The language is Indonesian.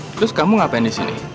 terus kamu ngapain disini